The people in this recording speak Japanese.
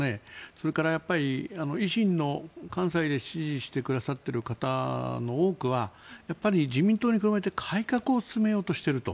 それから、維新の関西で支持してくださっている方の多くはやっぱり自民党の改革を進めようとしていると。